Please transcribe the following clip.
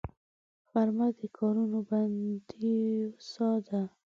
غرمه د کارونو د بندېدو ساه ده